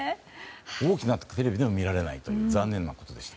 大きなテレビでも見られないという残念な感じでした。